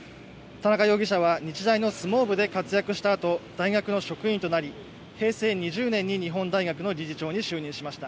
田中容疑者は日大の相撲部で活躍したあと大学の職員となり平成２０年に日本大学の理事長に就任しました。